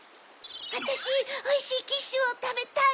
わたしおいしいキッシュをたべたい！